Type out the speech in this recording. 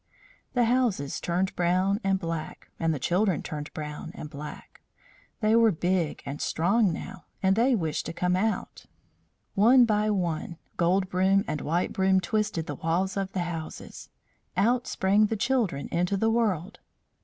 The houses turned brown and black, and the children turned brown and black. They were big and strong now, and they wished to come out. One by one Gold Broom and White Broom twisted the walls of the houses. Out sprang the children into the world.